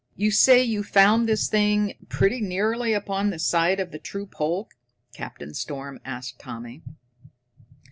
"You say you found this thing pretty nearly upon the site of the true pole?" Captain Storm asked Tommy.